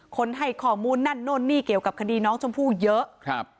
ให้ข้อมูลนั่นโน่นนี่เกี่ยวกับคดีน้องชมพู่เยอะครับ